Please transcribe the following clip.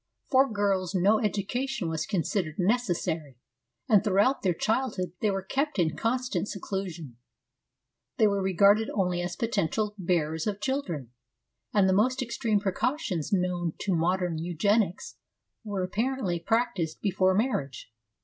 For girls no education was considered necessary, and throughout their childhood they were kept in constant seclusion. They were regarded only as potential bearers of children, and the most extreme precautions known to modern eugenics were apparently practised before marriage.